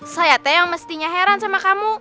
saya teh yang mestinya heran sama kamu